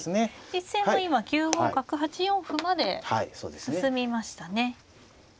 実戦も今９五角８四歩まで進みましたね。